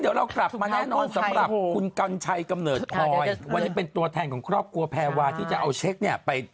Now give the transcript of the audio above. เดี๋ยวเดี๋ยวกลับมาแน่นอนสำหรับที่จะเอาเช็คเนี่ยไป